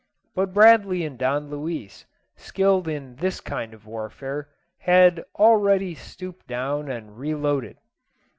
But Bradley and Don Luis, skilled in this kind of warfare, had already stooped down and reloaded.